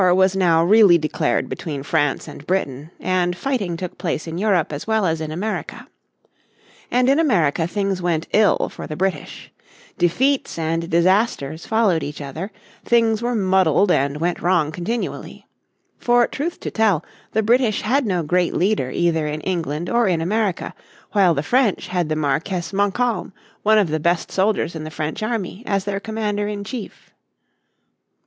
War was now really declared between France and Britain and fighting took place in Europe as well as in America. And in America things went ill for the British. Defeats and disasters followed each other, things were muddled and went wrong continually. For truth to tell the British had no great leader either in England or in America, while the French had the Marquess Montcalm, one of the best soldiers in the French army, as their commander in chief.